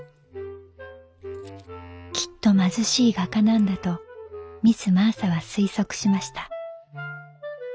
「きっと貧しい画家なんだとミス・マーサは推測しました」。